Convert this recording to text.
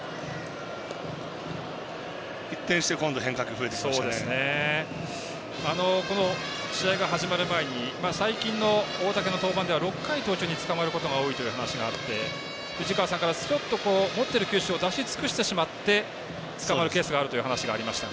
一転して、今度はこの試合が始まる前に最近の大竹の登板では６回途中に、つかまることが多いという話があって藤川さんから、ちょっと持っている球種を出し尽くしてしまってつかまるケースがあるという話がありました。